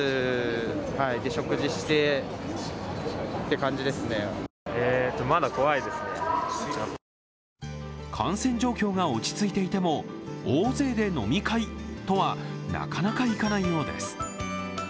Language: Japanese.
感染状況が落ち着いていても大勢で飲み会とはなかなかいかないようです。